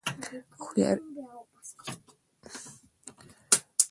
• هوښیار سړی بېځایه خبرې نه کوي.